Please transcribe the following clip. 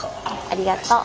ありがとう。